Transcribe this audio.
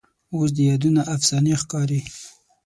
اوس دې یادونه افسانې ښکاري